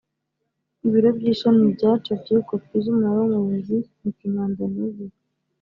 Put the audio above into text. ibiro by ishami byacapye kopi z Umunara w Umurinzi mu kinyandoneziya